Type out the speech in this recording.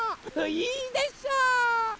いいでしょ！